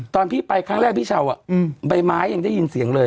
ตอนพี่ไปครั้งแรกพี่เช้าใบไม้ยังได้ยินเสียงเลย